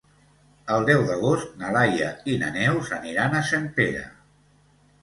El deu d'agost na Laia i na Neus aniran a Sempere.